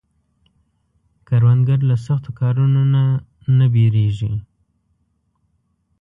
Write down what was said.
کروندګر له سختو کارونو نه نه ویریږي